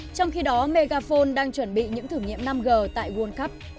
trong khi đó megaphone đang chuẩn bị những thử nghiệm năm g tại world cup